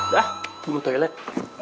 dah tunggu toilet